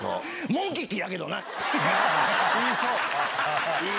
モンキッキーやけどな。